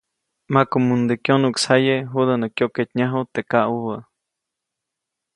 Makumuŋde kyonuʼksjaye judä nä kyoketnyaju teʼ kaʼubä.